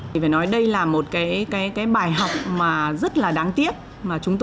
phải nói đây là một cái bài học mà rất là đáng tiếc